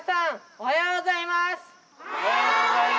おはようございます！